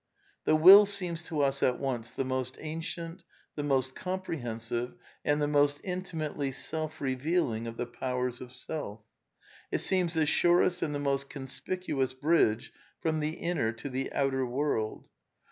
The will seems to us at once the most ancient, the most comprehensive, and the most intimately self revealing of the powers of self. It seems the surest 4^ld the most coni^picuous bridge from the inner to the outer world.